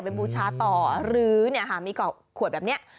เป็นบูช้าต่อหรือมีกรอกขวดแบบนี้